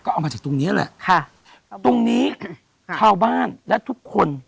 เอามาจากตรงเนี้ยแหละค่ะตรงนี้ชาวบ้านและทุกคน